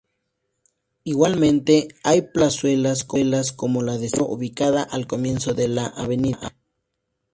Igualmente, hay plazuelas como la de San Pedro, ubicada al comienzo de la av.